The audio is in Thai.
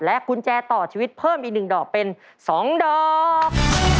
กุญแจต่อชีวิตเพิ่มอีก๑ดอกเป็น๒ดอก